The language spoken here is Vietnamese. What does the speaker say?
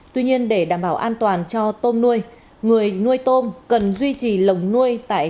tuy nhiên để đảm bảo an toàn cho tôm nuôi người nuôi tôm cần duy trì lồng nuôi